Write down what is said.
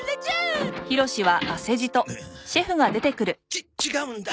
ち違うんだ。